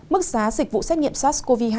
mức giá dịch vụ xét nghiệm sars cov hai